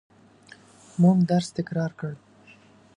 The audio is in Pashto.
موږ درس تکرار کړ.